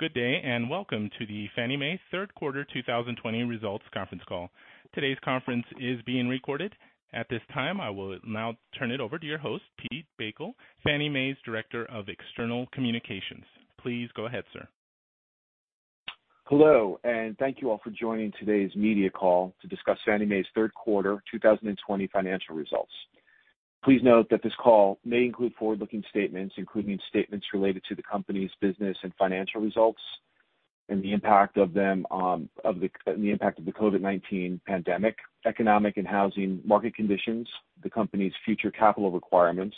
Good day, and welcome to the Fannie Mae third quarter 2020 results conference call. Today's conference is being recorded. At this time, I will now turn it over to your host, Pete Bakel, Fannie Mae's Director of External Communications. Please go ahead, sir. Hello, thank you all for joining today's media call to discuss Fannie Mae's third quarter 2020 financial results. Please note that this call may include forward-looking statements, including statements related to the company's business and financial results and the impact of the COVID-19 pandemic, economic and housing market conditions, the company's future capital requirements,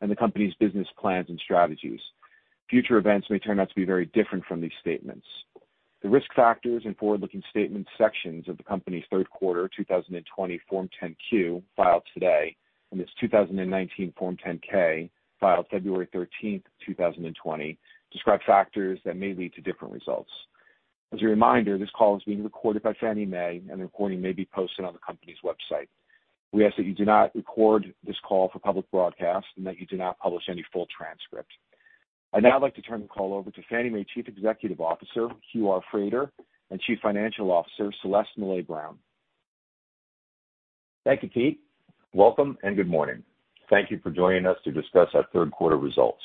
and the company's business plans and strategies. Future events may turn out to be very different from these statements. The risk factors and forward-looking statements sections of the company's third quarter 2020 Form 10-Q, filed today, and its 2019 Form 10-K, filed February 13th, 2020, describe factors that may lead to different results. As a reminder, this call is being recorded by Fannie Mae, and the recording may be posted on the company's website. We ask that you do not record this call for public broadcast and that you do not publish any full transcript. I'd now like to turn the call over to Fannie Mae Chief Executive Officer, Hugh R. Frater, and Chief Financial Officer, Celeste Mellet Brown. Thank you, Pete. Welcome, good morning. Thank you for joining us to discuss our third quarter results.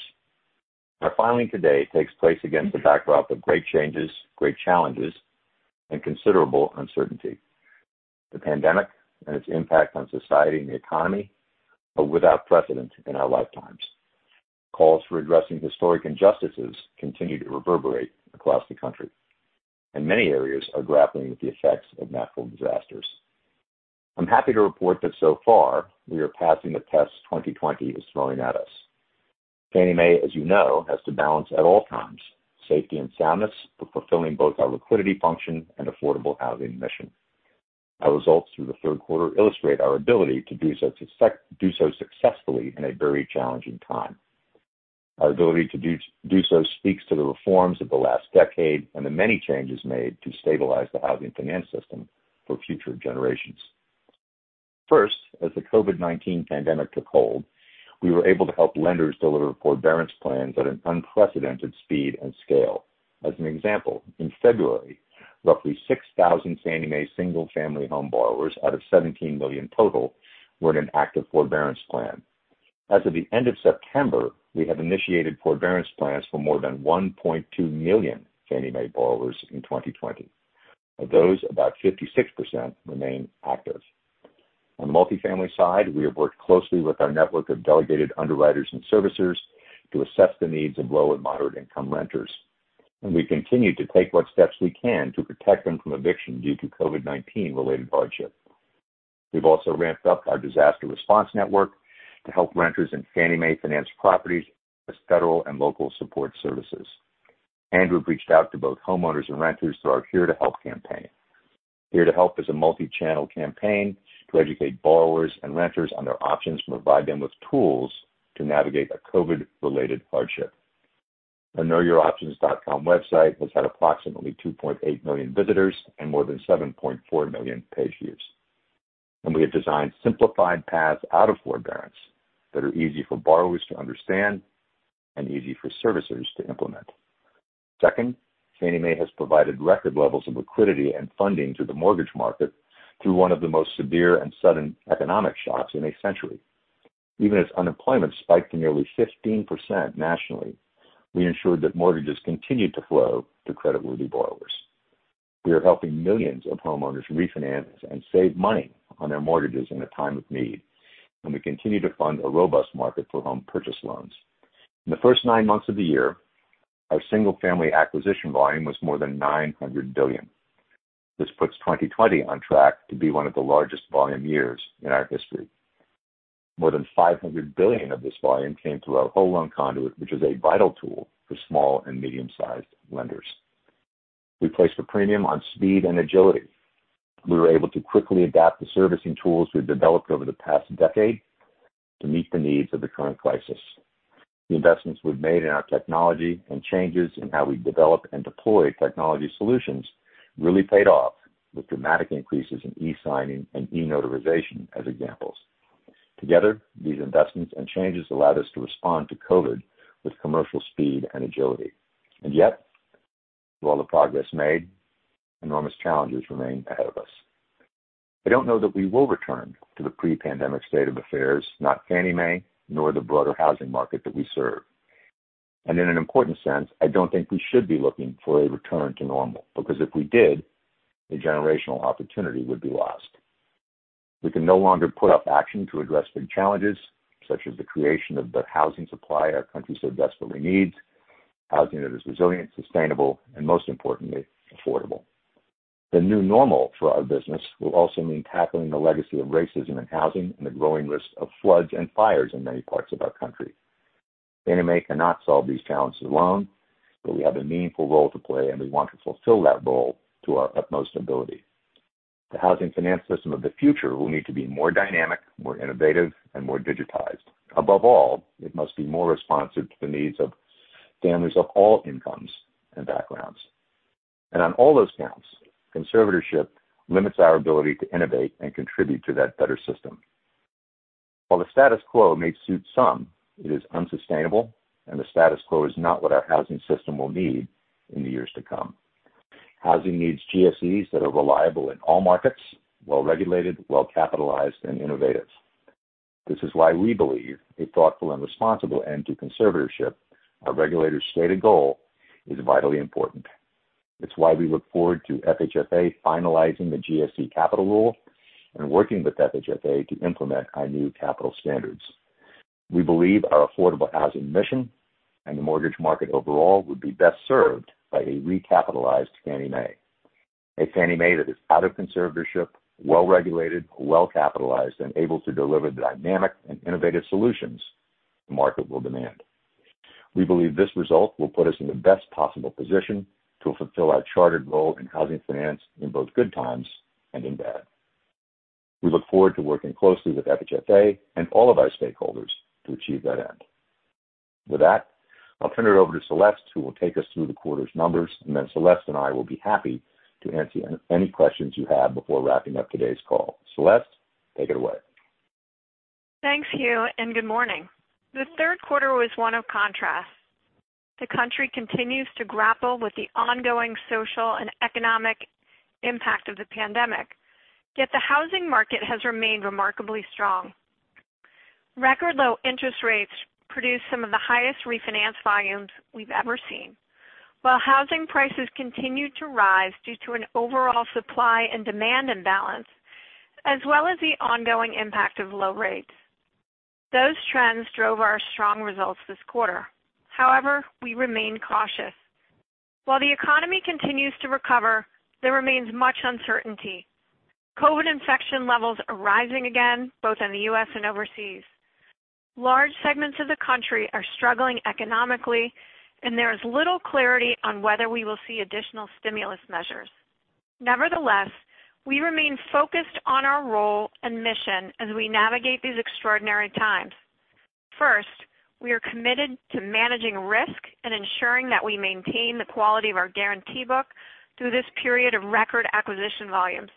Our filing today takes place against the backdrop of great changes, great challenges, and considerable uncertainty. The pandemic and its impact on society and the economy are without precedent in our lifetimes. Calls for addressing historic injustices continue to reverberate across the country, and many areas are grappling with the effects of natural disasters. I'm happy to report that so far, we are passing the tests 2020 is throwing at us. Fannie Mae, as you know, has to balance at all times safety and soundness for fulfilling both our liquidity function and affordable housing mission. Our results through the third quarter illustrate our ability to do so successfully in a very challenging time. Our ability to do so speaks to the reforms of the last decade and the many changes made to stabilize the housing finance system for future generations. First, as the COVID-19 pandemic took hold, we were able to help lenders deliver forbearance plans at an unprecedented speed and scale. As an example, in February, roughly 6,000 Fannie Mae single-family home borrowers out of 17 million total were in an active forbearance plan. As of the end of September, we have initiated forbearance plans for more than 1.2 million Fannie Mae borrowers in 2020. Of those, about 56% remain active. On the multifamily side, we have worked closely with our network of delegated underwriters and servicers to assess the needs of low- and moderate-income renters, and we continue to take what steps we can to protect them from eviction due to COVID-19-related hardship. We've also ramped up our disaster response network to help renters in Fannie Mae-financed properties as federal and local support services. We've reached out to both homeowners and renters through our Here to Help campaign. Here to Help is a multi-channel campaign to educate borrowers and renters on their options and provide them with tools to navigate a COVID-related hardship. The knowyouroptions.com website has had approximately 2.8 million visitors and more than 7.4 million page views. We have designed simplified paths out of forbearance that are easy for borrowers to understand and easy for servicers to implement. Second, Fannie Mae has provided record levels of liquidity and funding to the mortgage market through one of the most severe and sudden economic shocks in a century. Even as unemployment spiked to nearly 15% nationally, we ensured that mortgages continued to flow to creditworthy borrowers. We are helping millions of homeowners refinance and save money on their mortgages in a time of need, and we continue to fund a robust market for home purchase loans. In the first nine months of the year, our single-family acquisition volume was more than $900 billion. This puts 2020 on track to be one of the largest volume years in our history. More than $500 billion of this volume came through our Whole Loan Conduit, which is a vital tool for small and medium-sized lenders. We placed a premium on speed and agility. We were able to quickly adapt the servicing tools we've developed over the past decade to meet the needs of the current crisis. The investments we've made in our technology and changes in how we develop and deploy technology solutions really paid off with dramatic increases in e-signing and e-notarization as examples. Together, these investments and changes allowed us to respond to COVID-19 with commercial speed and agility. Yet, with all the progress made, enormous challenges remain ahead of us. I don't know that we will return to the pre-pandemic state of affairs, not Fannie Mae, nor the broader housing market that we serve. In an important sense, I don't think we should be looking for a return to normal. If we did, a generational opportunity would be lost. We can no longer put off action to address big challenges, such as the creation of the housing supply our country so desperately needs, housing that is resilient, sustainable, and most importantly, affordable. The new normal for our business will also mean tackling the legacy of racism in housing and the growing risk of floods and fires in many parts of our country. Fannie Mae cannot solve these challenges alone, but we have a meaningful role to play, and we want to fulfill that role to our utmost ability. The housing finance system of the future will need to be more dynamic, more innovative, and more digitized. Above all, it must be more responsive to the needs of families of all incomes and backgrounds. On all those counts, conservatorship limits our ability to innovate and contribute to that better system. While the status quo may suit some, it is unsustainable, and the status quo is not what our housing system will need in the years to come. Housing needs GSEs that are reliable in all markets, well-regulated, well-capitalized, and innovative. This is why we believe a thoughtful and responsible end to conservatorship, our regulators' stated goal, is vitally important. It's why we look forward to FHFA finalizing the GSE capital rule and working with FHFA to implement our new capital standards. We believe our affordable housing mission and the mortgage market overall would be best served by a recapitalized Fannie Mae. A Fannie Mae that is out of conservatorship, well-regulated, well-capitalized, and able to deliver the dynamic and innovative solutions the market will demand. We believe this result will put us in the best possible position to fulfill our chartered role in housing finance in both good times and in bad. We look forward to working closely with FHFA and all of our stakeholders to achieve that end. With that, I'll turn it over to Celeste, who will take us through the quarter's numbers, and then Celeste and I will be happy to answer any questions you have before wrapping up today's call. Celeste, take it away. Thanks, Hugh. Good morning. The third quarter was one of contrasts. The country continues to grapple with the ongoing social and economic impact of the pandemic, yet the housing market has remained remarkably strong. Record low interest rates produced some of the highest refinance volumes we've ever seen. While housing prices continued to rise due to an overall supply and demand imbalance, as well as the ongoing impact of low rates. Those trends drove our strong results this quarter. However, we remain cautious. While the economy continues to recover, there remains much uncertainty. COVID-19 infection levels are rising again, both in the U.S. and overseas. Large segments of the country are struggling economically, and there is little clarity on whether we will see additional stimulus measures. Nevertheless, we remain focused on our role and mission as we navigate these extraordinary times. First, we are committed to managing risk and ensuring that we maintain the quality of our guarantee book through this period of record acquisition volumes.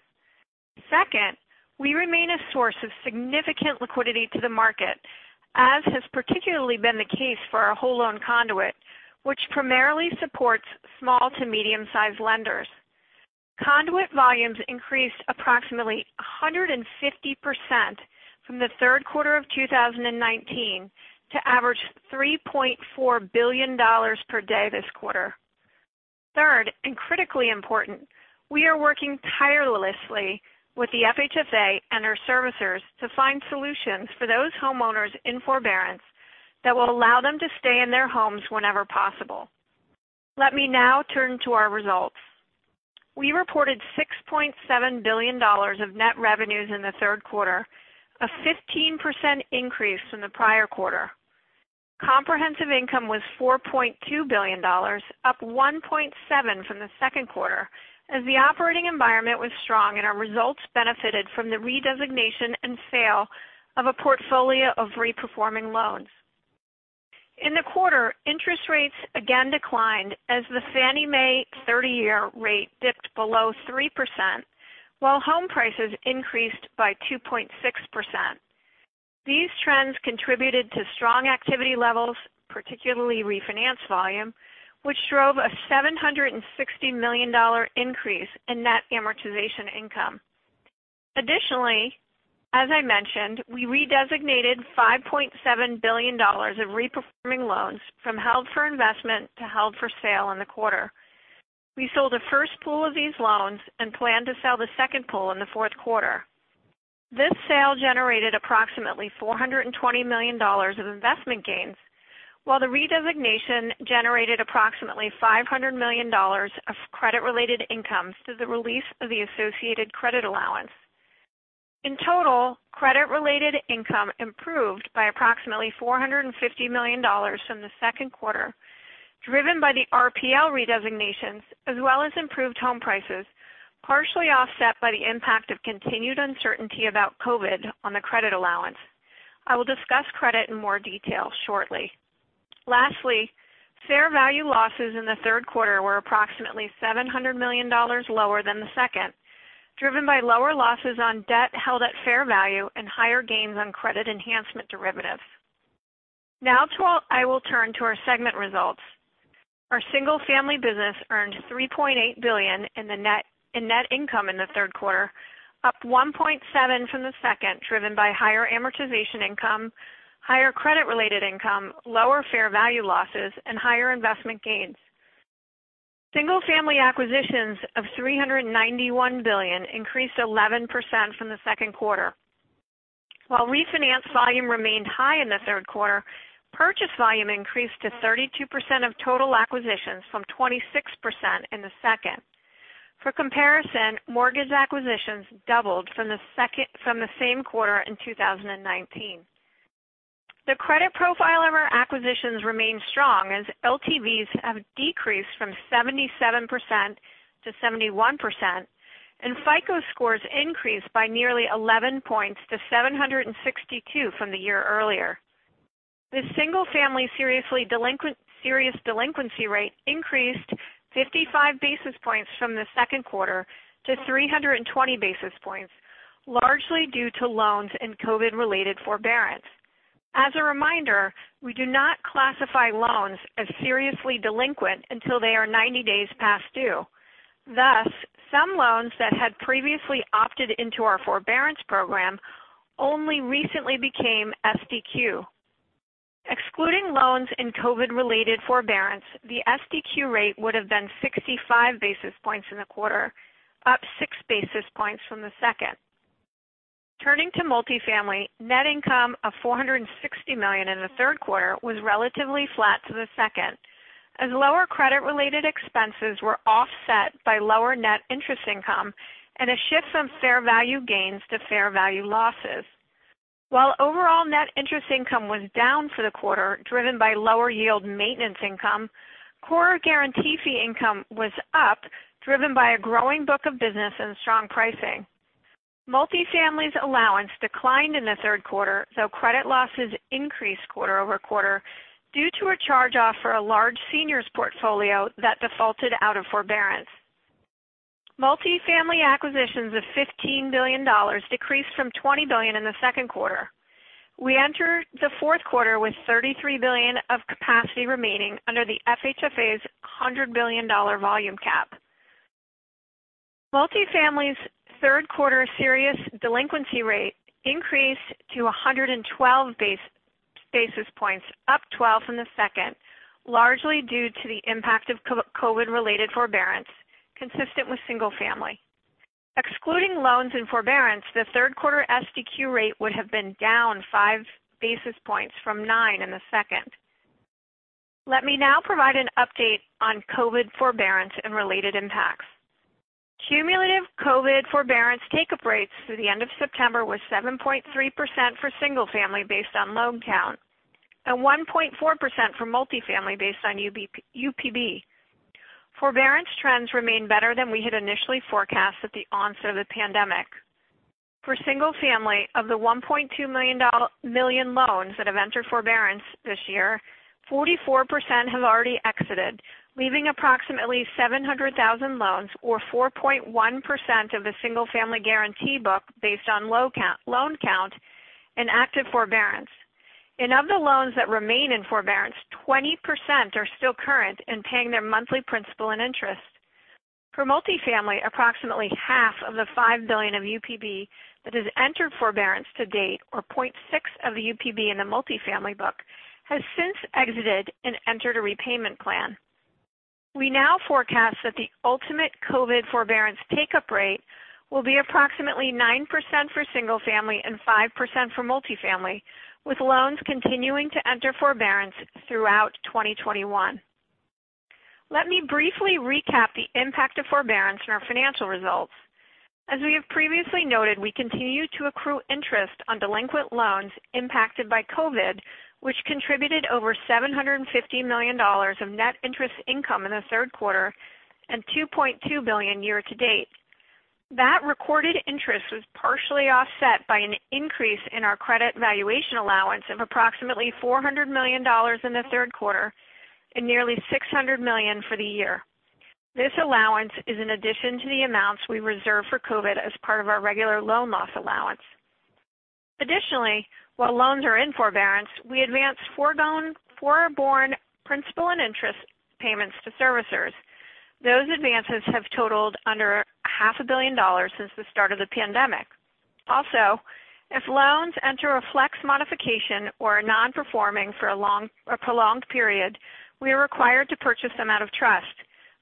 Second, we remain a source of significant liquidity to the market, as has particularly been the case for our Whole Loan Conduit, which primarily supports small to medium-sized lenders. Conduit volumes increased approximately 150% from the third quarter of 2019 to average $3.4 billion per day this quarter. Critically important, we are working tirelessly with the FHFA and our servicers to find solutions for those homeowners in forbearance that will allow them to stay in their homes whenever possible. Let me now turn to our results. We reported $6.7 billion of net revenues in the third quarter, a 15% increase from the prior quarter. Comprehensive income was $4.2 billion, up $1.7 billion from the second quarter, as the operating environment was strong and our results benefited from the redesignation and sale of a portfolio of reperforming loans. In the quarter, interest rates again declined as the Fannie Mae 30-year rate dipped below 3%, while home prices increased by 2.6%. These trends contributed to strong activity levels, particularly refinance volume, which drove a $760 million increase in net amortization income. Additionally, as I mentioned, we redesignated $5.7 billion of reperforming loans from held for investment to held for sale in the quarter. We sold a first pool of these loans and plan to sell the second pool in the fourth quarter. This sale generated approximately $420 million of investment gains, while the redesignation generated approximately $500 million of credit-related income through the release of the associated credit allowance. In total, credit-related income improved by approximately $450 million from the second quarter, driven by the RPL redesignations, as well as improved home prices, partially offset by the impact of continued uncertainty about COVID-19 on the credit allowance. I will discuss credit in more detail shortly. Lastly, fair value losses in the third quarter were approximately $700 million lower than the second, driven by lower losses on debt held at fair value and higher gains on credit enhancement derivatives. Now I will turn to our segment results. Our Single Family business earned $3.8 billion in net income in the third quarter, up $1.7 billion from the second, driven by higher amortization income, higher credit-related income, lower fair value losses, and higher investment gains. Single Family acquisitions of $391 billion increased 11% from the second quarter. While refinance volume remained high in the third quarter, purchase volume increased to 32% of total acquisitions from 26% in the second. For comparison, mortgage acquisitions doubled from the same quarter in 2019. The credit profile of our acquisitions remains strong as LTVs have decreased from 77% to 71%, and FICO scores increased by nearly 11 points to 762 from the year earlier. The single-family serious delinquency rate increased 55 basis points from the second quarter to 320 basis points, largely due to loans in COVID-related forbearance. As a reminder, we do not classify loans as seriously delinquent until they are 90 days past due. Thus, some loans that had previously opted into our forbearance program only recently became SDQ. Excluding loans in COVID-related forbearance, the SDQ rate would've been 65 basis points in the quarter, up six basis points from the second. Turning to multifamily, net income of $460 million in the third quarter was relatively flat to the second, as lower credit-related expenses were offset by lower net interest income and a shift from fair value gains to fair value losses. Overall net interest income was down for the quarter, driven by lower yield maintenance income, core guarantee fee income was up, driven by a growing book of business and strong pricing. Multifamily's allowance declined in the third quarter, though credit losses increased quarter-over-quarter due to a charge-off for a large seniors portfolio that defaulted out of forbearance. Multifamily acquisitions of $15 billion decreased from $20 billion in the second quarter. We entered the fourth quarter with $33 billion of capacity remaining under the FHFA's $100 billion volume cap. Multifamily's third quarter serious delinquency rate increased to 112 basis points, up 12 from the second, largely due to the impact of COVID-related forbearance, consistent with single family. Excluding loans in forbearance, the third quarter SDQ rate would have been down five basis points from nine in the second. Let me now provide an update on COVID forbearance and related impacts. Cumulative COVID forbearance take-up rates through the end of September was 7.3% for single family based on loan count, and 1.4% for multifamily based on UPB. Forbearance trends remain better than we had initially forecast at the onset of the pandemic. For single family, of the 1.2 million loans that have entered forbearance this year, 44% have already exited, leaving approximately 700,000 loans or 4.1% of the single-family guarantee book based on loan count in active forbearance. Of the loans that remain in forbearance, 20% are still current and paying their monthly principal and interest. For multifamily, approximately half of the $5 billion of UPB that has entered forbearance to date, or 0.6 of the UPB in the multifamily book, has since exited and entered a repayment plan. We now forecast that the ultimate COVID-19 forbearance take-up rate will be approximately 9% for single family and 5% for multifamily, with loans continuing to enter forbearance throughout 2021. Let me briefly recap the impact of forbearance on our financial results. As we have previously noted, we continue to accrue interest on delinquent loans impacted by COVID-19, which contributed over $750 million of net interest income in the third quarter and $2.2 billion year to date. That recorded interest was partially offset by an increase in our credit valuation allowance of approximately $400 million in the third quarter and nearly $600 million for the year. This allowance is in addition to the amounts we reserved for COVID-19 as part of our regular loan loss allowance. Additionally, while loans are in forbearance, we advance foregone principal and interest payments to servicers. Those advances have totaled under half a billion dollars since the start of the pandemic. Also, if loans enter a Flex Modification or are non-performing for a prolonged period, we are required to purchase them out of trust.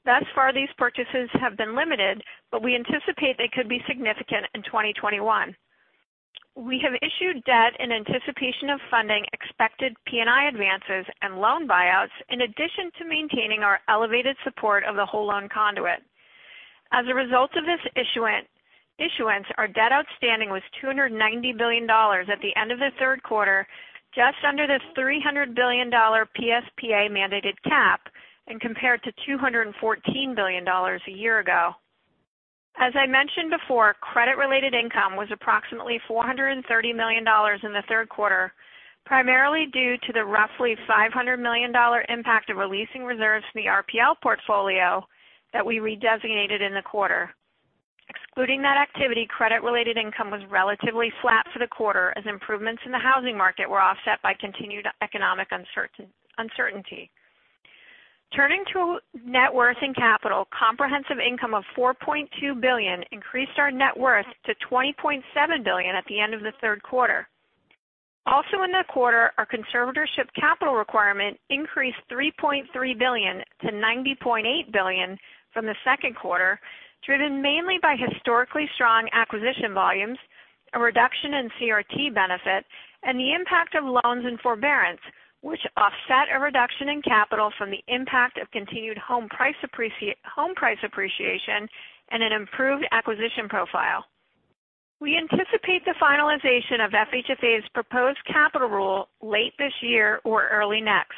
Thus far, these purchases have been limited, but we anticipate they could be significant in 2021. We have issued debt in anticipation of funding expected P&I advances and loan buyouts, in addition to maintaining our elevated support of the Whole Loan Conduit. As a result of this issuance, our debt outstanding was $290 billion at the end of the third quarter, just under the $300 billion PSPA-mandated cap and compared to $214 billion a year ago. As I mentioned before, credit-related income was approximately $430 million in the third quarter, primarily due to the roughly $500 million impact of releasing reserves from the RPL portfolio that we redesignated in the quarter. Excluding that activity, credit-related income was relatively flat for the quarter, as improvements in the housing market were offset by continued economic uncertainty. Turning to net worth and capital, comprehensive income of $4.2 billion increased our net worth to $20.7 billion at the end of the third quarter. Also in the quarter, our conservatorship capital requirement increased $3.3 billion to $90.8 billion from the second quarter, driven mainly by historically strong acquisition volumes, a reduction in CRT benefit, and the impact of loans and forbearance, which offset a reduction in capital from the impact of continued home price appreciation and an improved acquisition profile. We anticipate the finalization of FHFA's proposed capital rule late this year or early next.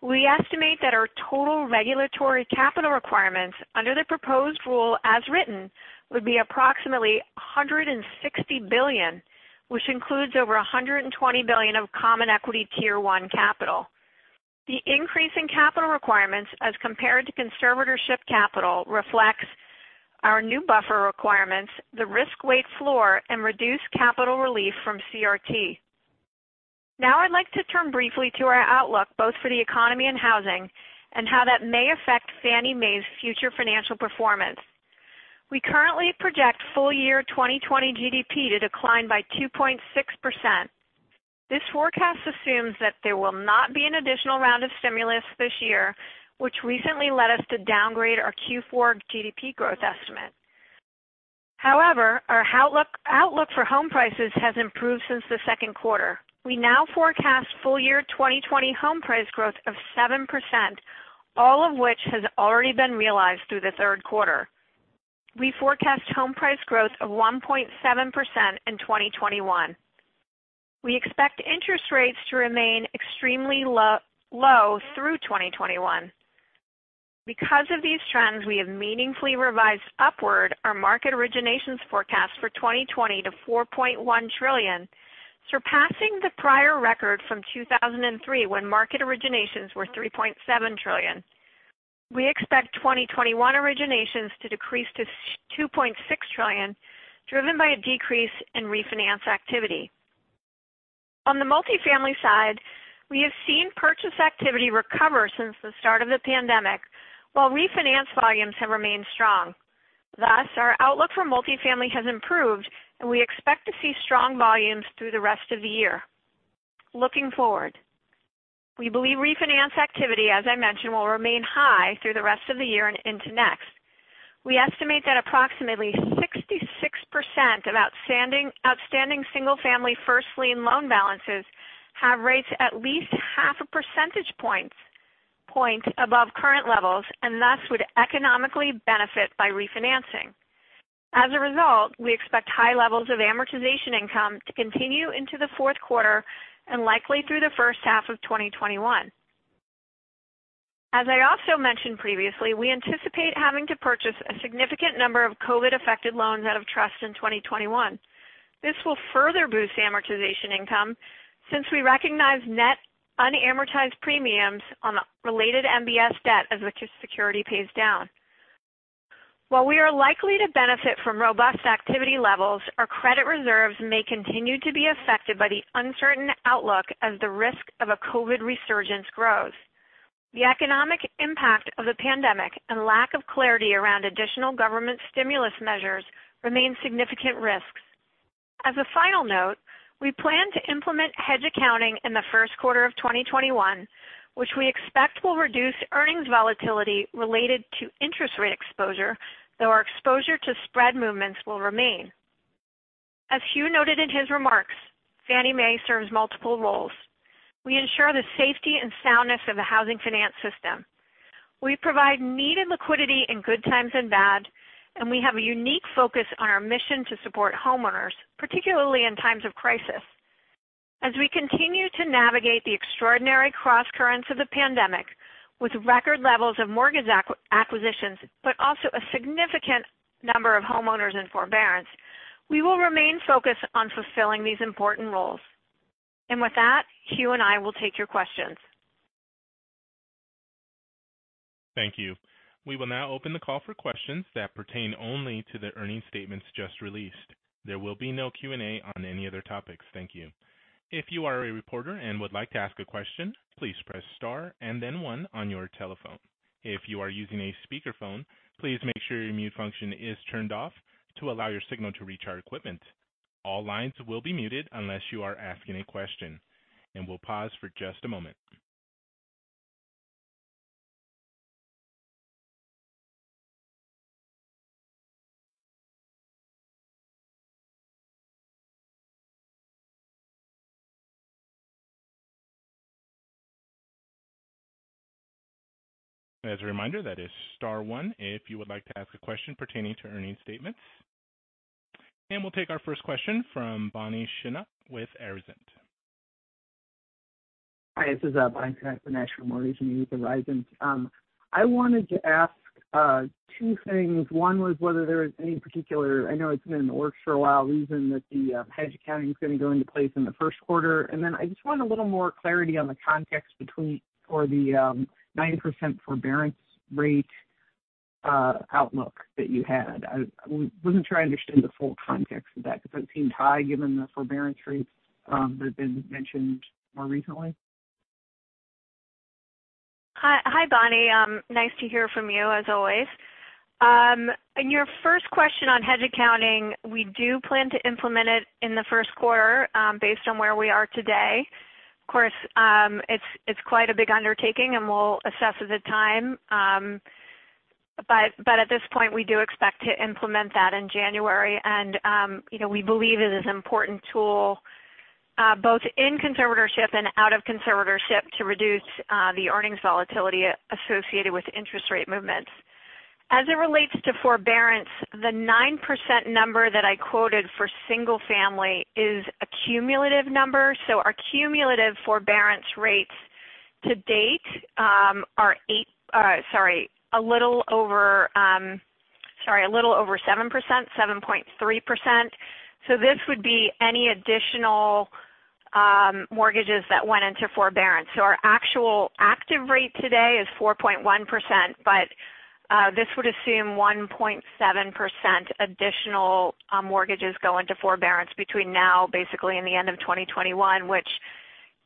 We estimate that our total regulatory capital requirements under the proposed rule as written would be approximately $160 billion, which includes over $120 billion of common equity Tier 1 capital. The increase in capital requirements as compared to conservatorship capital reflects our new buffer requirements, the risk-weight floor, and reduced capital relief from CRT. I'd like to turn briefly to our outlook, both for the economy and housing, and how that may affect Fannie Mae's future financial performance. We currently project full-year 2020 GDP to decline by 2.6%. This forecast assumes that there will not be an additional round of stimulus this year, which recently led us to downgrade our Q4 GDP growth estimate. However, our outlook for home prices has improved since the second quarter. We now forecast full-year 2020 home price growth of 7%, all of which has already been realized through the third quarter. We forecast home price growth of 1.7% in 2021. We expect interest rates to remain extremely low through 2021. Because of these trends, we have meaningfully revised upward our market originations forecast for 2020 to $4.1 trillion, surpassing the prior record from 2003, when market originations were $3.7 trillion. We expect 2021 originations to decrease to $2.6 trillion, driven by a decrease in refinance activity. On the multifamily side, we have seen purchase activity recover since the start of the pandemic, while refinance volumes have remained strong. Thus, our outlook for multifamily has improved, and we expect to see strong volumes through the rest of the year. Looking forward, we believe refinance activity, as I mentioned, will remain high through the rest of the year and into next. We estimate that approximately 66% of outstanding single-family first-lien loan balances have rates at least half a percentage point above current levels, and thus would economically benefit by refinancing. As a result, we expect high levels of amortization income to continue into the fourth quarter and likely through the first half of 2021. As I also mentioned previously, we anticipate having to purchase a significant number of COVID-affected loans out of trust in 2021. This will further boost amortization income since we recognize net unamortized premiums on the related MBS debt as the security pays down. While we are likely to benefit from robust activity levels, our credit reserves may continue to be affected by the uncertain outlook as the risk of a COVID-19 resurgence grows. The economic impact of the pandemic and lack of clarity around additional government stimulus measures remain significant risks. As a final note, we plan to implement hedge accounting in the first quarter of 2021, which we expect will reduce earnings volatility related to interest rate exposure, though our exposure to spread movements will remain. As Hugh noted in his remarks, Fannie Mae serves multiple roles. We ensure the safety and soundness of the housing finance system. We provide needed liquidity in good times and bad, and we have a unique focus on our mission to support homeowners, particularly in times of crisis. As we continue to navigate the extraordinary crosscurrents of the pandemic with record levels of mortgage acquisitions, but also a significant number of homeowners in forbearance, we will remain focused on fulfilling these important roles. With that, Hugh and I will take your questions. Thank you. We will now open the call for questions that pertain only to the earning statements just released. There will be no Q&A on any other topics. Thank you. If you are a reporter and would like to ask a question, please press star and then one on your telephone. If you are using a speakerphone, please make sure your mute function is turned off to allow your signal to reach our equipment. All lines will be muted unless you are asking a question. And we'll pause for just a moment. As a reminder, that is star one if you would like to ask a question pertaining to earnings statements. And we'll take our first question from Bonnie Sinnock with Arizent. Hi, this is Bonnie Sinnock with National Mortgage News with Arizent. I wanted to ask two things. One was whether there was any particular, I know it's been in the works for a while, reason that the hedge accounting is going to go into place in the first quarter. I just want a little more clarity on the context between for the 90% forbearance rate outlook that you had. I wasn't sure I understood the full context of that because that seemed high given the forbearance rates that have been mentioned more recently. Hi, Bonnie. Nice to hear from you as always. On your first question on hedge accounting, we do plan to implement it in the first quarter, based on where we are today. Of course, it's quite a big undertaking, and we'll assess at the time. At this point, we do expect to implement that in January. We believe it is an important tool, both in conservatorship and out of conservatorship to reduce the earnings volatility associated with interest rate movements. As it relates to forbearance, the 9% number that I quoted for single-family is a cumulative number. Our cumulative forbearance rates to date are a little over 7%, 7.3%. This would be any additional mortgages that went into forbearance. Our actual active rate today is 4.1%, but this would assume 1.7% additional mortgages go into forbearance between now, basically, and the end of 2021, which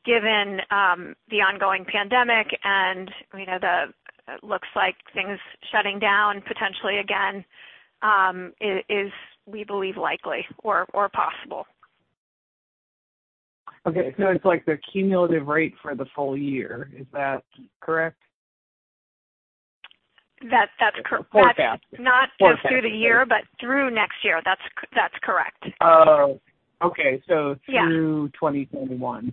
given the ongoing pandemic, and it looks like things shutting down potentially again, is, we believe, likely or possible. Okay. It's like the cumulative rate for the full year. Is that correct? That's correct. Forecast. Not just through the year, but through next year. That's correct. Oh, okay. Yeah. Through 2021. Yeah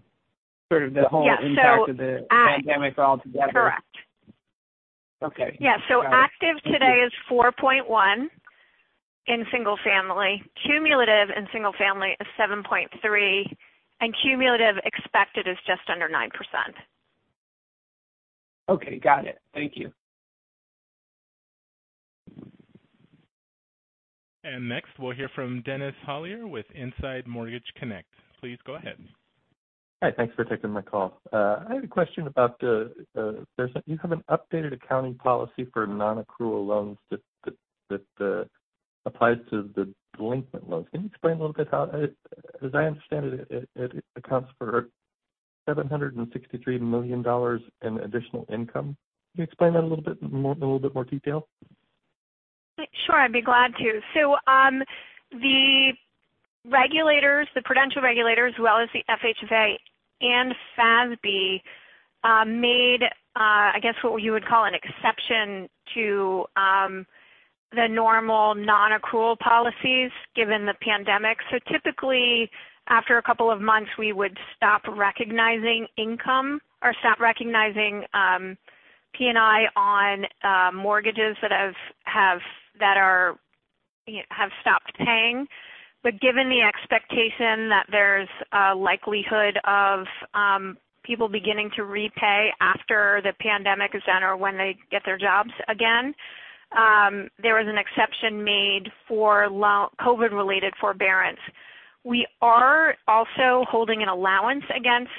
impact of the pandemic all together. Correct. Okay. Got it. Yeah. Active today is 4.1 in single family. Cumulative in single family is 7.3, and cumulative expected is just under 9%. Okay, got it. Thank you. Next, we'll hear from Dennis Hollier with Inside Mortgage Finance. Please go ahead. Hi. Thanks for taking my call. I had a question about that you have an updated accounting policy for non-accrual loans that applies to the delinquent loans. Can you explain a little bit. As I understand it accounts for $763 million in additional income. Can you explain that in a little bit more detail? Sure, I'd be glad to. The regulators, the prudential regulators, as well as the FHA and FASB, made, I guess what you would call an exception to the normal non-accrual policies given the pandemic. Typically, after two months, we would stop recognizing income or stop recognizing P&I on mortgages that have stopped paying. Given the expectation that there's a likelihood of people beginning to repay after the pandemic is done or when they get their jobs again, there was an exception made for COVID-related forbearance. We are also holding an allowance against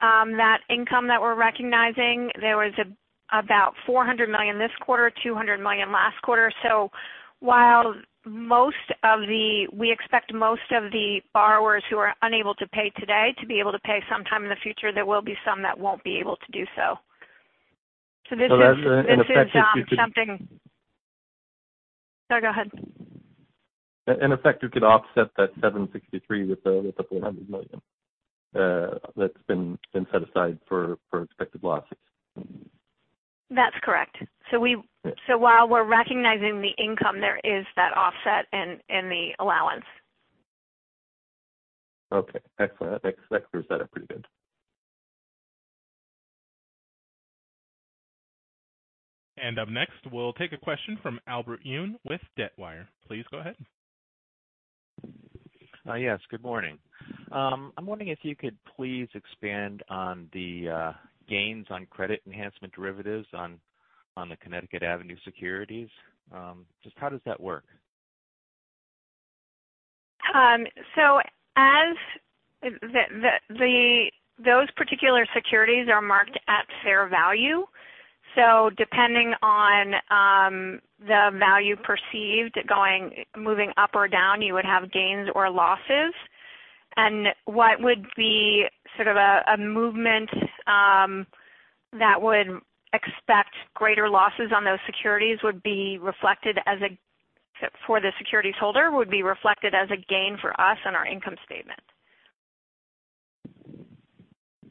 that income that we're recognizing. There was about $400 million this quarter, $200 million last quarter. While we expect most of the borrowers who are unable to pay today to be able to pay sometime in the future, there will be some that won't be able to do so. This is. That's an effective- Sorry, go ahead. In effect, you could offset that $763 with the $400 million that's been set aside for expected losses. That's correct. While we're recognizing the income, there is that offset in the allowance. Okay. Excellent. That clears that up pretty good. Up next, we'll take a question from Albert Yoon with Debtwire. Please go ahead. Yes, good morning. I'm wondering if you could please expand on the gains on credit enhancement derivatives on the Connecticut Avenue Securities. Just how does that work? Those particular securities are marked at fair value. Depending on the value perceived moving up or down, you would have gains or losses. What would be sort of a movement that would expect greater losses on those securities for the securities holder, would be reflected as a gain for us on our income statement.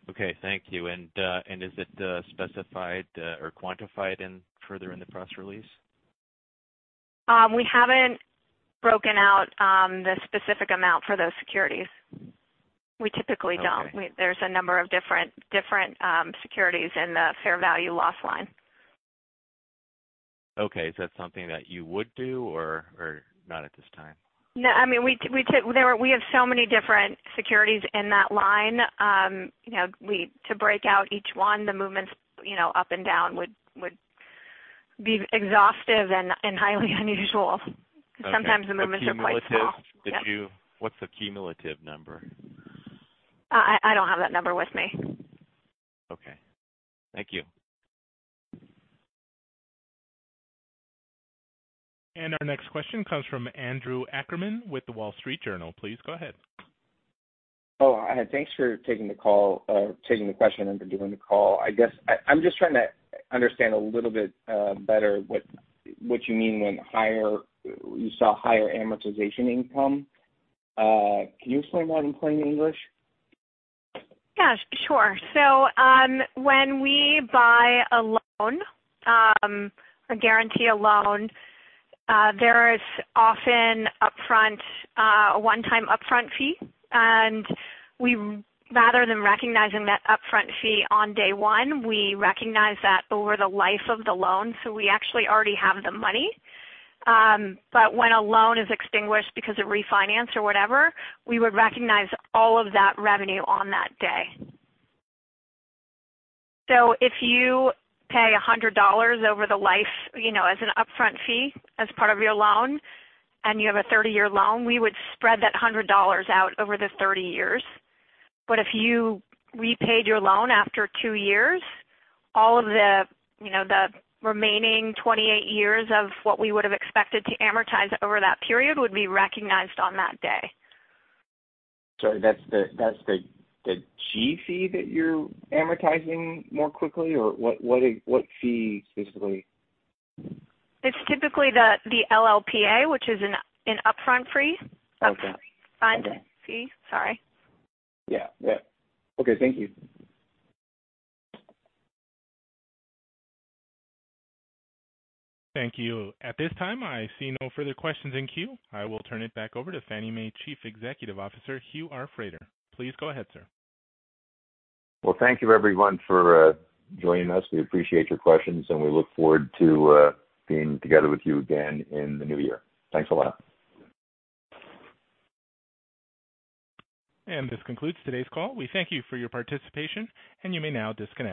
Okay, thank you. Is it specified or quantified further in the press release? We haven't broken out the specific amount for those securities. We typically don't. Okay. There's a number of different securities in the fair value loss line. Is that something that you would do or not at this time? We have so many different securities in that line. To break out each one, the movements up and down would be exhaustive and highly unusual. Okay. Sometimes the movements are quite small. The cumulative. Yeah. What's the cumulative number? I don't have that number with me. Okay. Thank you. Our next question comes from Andrew Ackerman with The Wall Street Journal. Please go ahead. Thanks for taking the question and for doing the call. I guess I'm just trying to understand a little bit better what you mean when you saw higher amortization income. Can you explain that in plain English? Yeah, sure. When we buy a loan, or guarantee a loan, there is often a one-time upfront fee. Rather than recognizing that upfront fee on day one, we recognize that over the life of the loan. We actually already have the money. When a loan is extinguished because of refinance or whatever, we would recognize all of that revenue on that day. If you pay $100 over the life as an upfront fee as part of your loan, and you have a 30-year loan, we would spread that $100 out over the 30 years. If you repaid your loan after two years, all of the remaining 28 years of what we would've expected to amortize over that period would be recognized on that day. Sorry, that's the G-fee that you're amortizing more quickly? Or what fee specifically? It's typically the LLPA, which is an upfront fee. Okay. Upfront fee. Sorry. Yeah. Okay, thank you. Thank you. At this time, I see no further questions in queue. I will turn it back over to Fannie Mae Chief Executive Officer, Hugh R. Frater. Please go ahead, sir. Well, thank you, everyone, for joining us. We appreciate your questions, and we look forward to being together with you again in the new year. Thanks a lot. This concludes today's call. We thank you for your participation, and you may now disconnect.